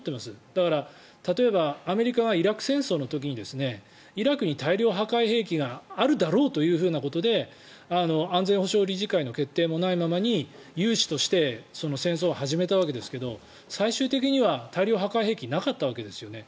だから、例えばアメリカがイラク戦争の時にイラクに大量破壊兵器があるだろうということで安全保障理事会の決定もないままに有志として戦争を始めたわけですけど最終的には大量破壊兵器なかったわけですよね。